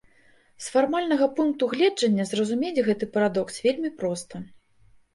З фармальнага пункту гледжання зразумець гэты парадокс вельмі проста.